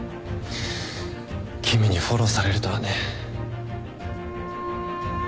君にフォローされるとはね。